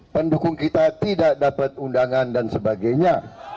pendukung kita tidak dapat undangan dan sebagainya